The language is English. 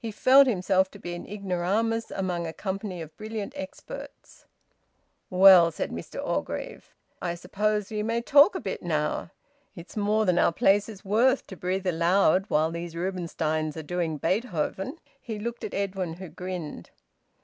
He felt himself to be an ignoramus among a company of brilliant experts. "Well," said Mr Orgreave, "I suppose we may talk a bit now. It's more than our place is worth to breathe aloud while these Rubinsteins are doing Beethoven!" He looked at Edwin, who grinned.